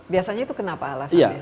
biasanya itu kenapa alasannya